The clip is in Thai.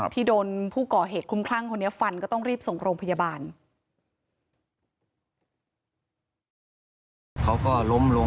ที่โดนผู้ก่อเหตุคุ้มคลั่งคนนี้ฟันก็ต้องรีบส่งโรงพยาบาล